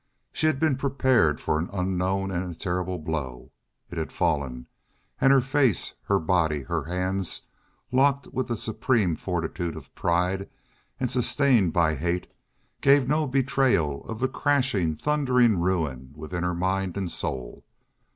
She had been prepared for an unknown and a terrible blow. It had fallen. And her face, her body, her hands, locked with the supreme fortitude of pride and sustained by hate, gave no betrayal of the crashing, thundering ruin within her mind and soul.